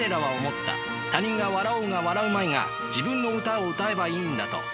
他人が笑おうが笑うまいが自分の歌を歌えばいいんだと。